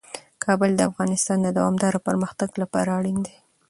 کابل د افغانستان د دوامداره پرمختګ لپاره اړین دي.